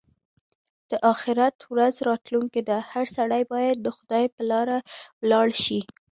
د اخيرت ورځ راتلونکې ده؛ هر سړی باید د خدای پر لاره ولاړ شي.